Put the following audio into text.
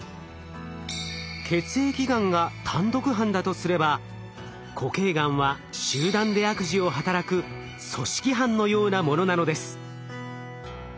血液がんが単独犯だとすれば固形がんは集団で悪事を働く組織犯のようなものなのです。